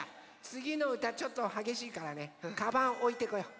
つぎのうたちょっとはげしいからねカバンおいてこよう。